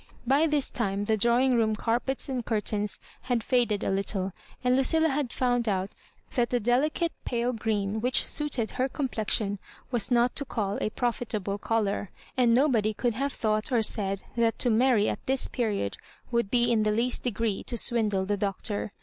By this time the drawing room carpets and curtains had faded a little, and Lucilla had found out that the delicate pale green which suited her complexion was not to call a profitable colour; and nobody could have thought or said that to marry at this period would be m the least degree to swindle the Doc tor.